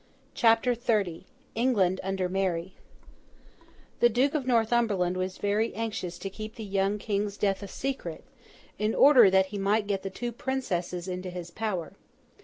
CHAPTER XXX ENGLAND UNDER MARY The Duke of Northumberland was very anxious to keep the young King's death a secret, in order that he might get the two Princesses into his power.